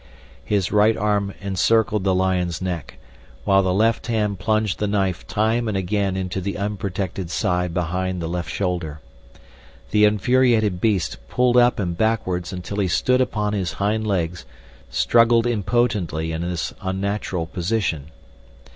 His right arm encircled the lion's neck, while the left hand plunged the knife time and again into the unprotected side behind the left shoulder. The infuriated beast, pulled up and backwards until he stood upon his hind legs, struggled impotently in this unnatural position.